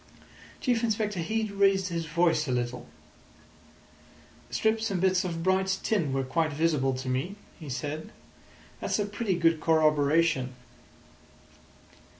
Chief Inspector Heat raised his voice a little. "Strips and bits of bright tin were quite visible to me," he said. "That's a pretty good corroboration."